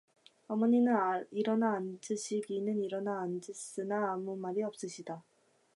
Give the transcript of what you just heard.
어머니는 일어나 앉으시기는 일어나 앉았으나 아무 말이 없으시다.